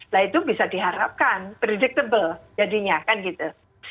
nah itu bisa diharapkan predictable jadinya kan gitu